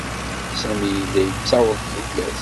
Sami yella yettaweḍ tullas.